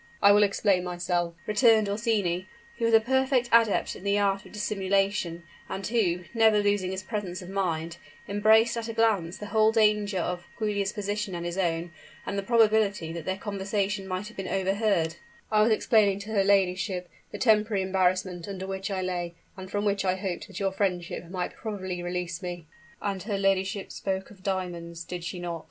"I will explain myself," returned Orsini, who was a perfect adept in the art of dissimulation, and who, never losing his presence of mind, embraced at a glance the whole danger of Giulia's position and his own, and the probability that their conversation might have been overheard; "I was explaining to her ladyship the temporary embarrassment under which I lay, and from which I hoped that your friendship might probably release me " "And her ladyship spoke of her diamonds did she not?"